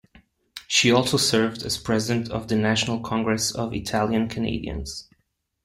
She also served as president of the National Congress of Italian-Canadians.